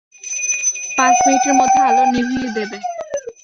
পাঁচ মিনিটের মধ্যে আলো নিভিয়ে দেবে।